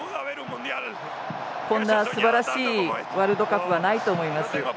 こんなすばらしいワールドカップはないと思います。